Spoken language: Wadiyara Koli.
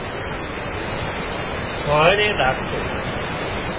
سانئڙِي راکتو